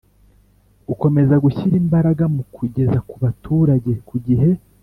Gukomeza gushyira imbaraga mu kugeza ku baturage ku gihe